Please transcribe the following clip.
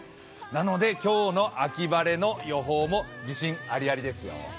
なので今日の秋晴れの予報も自信ありありですよ。